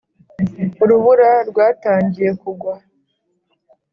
urubura rwatangiye kugwa